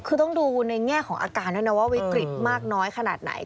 คือต้องดูในแง่ของอาการด้วยนะว่าวิกฤตมากน้อยขนาดไหน